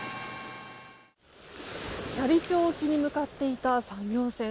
斜里町沖に向かっていた作業船。